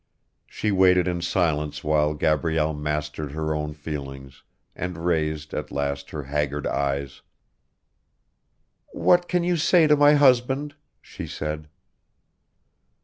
She waited in silence while Gabrielle mastered her own feelings and raised, at last, her haggard eyes. "What can you say to my husband?" she said.